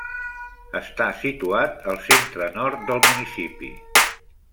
Està situat al centre-nord del municipi.